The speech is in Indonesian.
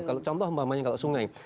kalau contoh mbak mayang kalau sungai